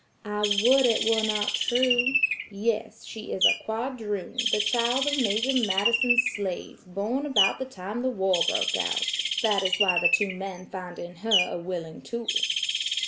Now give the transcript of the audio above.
"I would it were not true. Yes, she is a quadroon, the child of Major Madison's slave, born about the time the war broke out. That is why the two men find in her a willing tool."